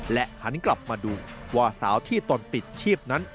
หันกลับมาดูว่าสาวที่ตนปิดชีพนั้น